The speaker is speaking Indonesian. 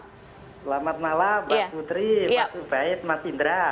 selamat malam pak putri pak tufaid mas indra